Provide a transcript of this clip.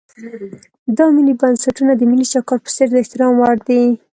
دا ملي بنسټونه د ملي چوکاټ په څېر د احترام وړ دي.